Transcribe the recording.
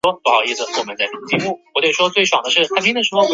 天蓝丛蛙区被发现。